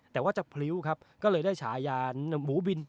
แต่ว่าจะพลิ้วครับก็เลยได้ฉายาหมูบิน